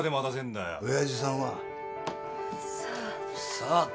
親父さんは？さあ？